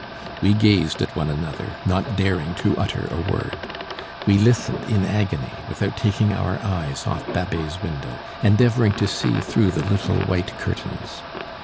We gazed at one another, not daring to utter a word. We listened in agony, without taking our eyes off Babet's window, endeavouring to see through the little white curtains.